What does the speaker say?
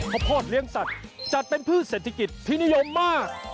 ข้าวโพดเลี้ยงสัตว์จัดเป็นพืชเศรษฐกิจที่นิยมมาก